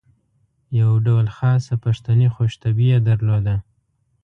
یو ډول خاصه پښتني خوش طبعي یې درلوده.